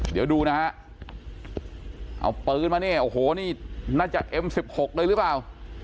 เดี๋ยวดูนะฮะเอาปืนมาเนี่ยโอ้โหนี่น่าจะเอ็มสิบหกเลยหรือเปล่า